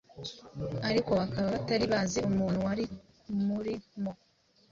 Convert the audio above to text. ariko bakaba batari bazi umuntu wari muri mo